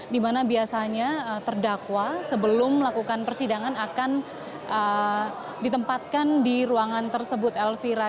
dimana biasanya terdakwa sebelum melakukan persidangan akan ditempatkan di ruangan tersebut elvira